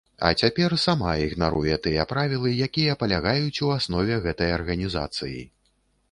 А цяпер сама ігнаруе тыя правілы, якія палягаюць у аснове гэтай арганізацыі.